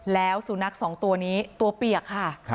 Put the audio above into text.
แล้วสุนัขสองตัวนี้ตัวเปียกค่ะ